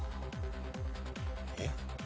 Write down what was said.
えっ？